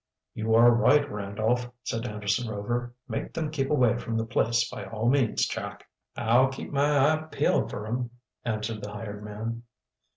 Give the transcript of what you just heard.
"You are right, Randolph," said Anderson Rover. "Make them keep away from the place by all means, Jack." "I'll keep my eye peeled for 'em," answered the hired man.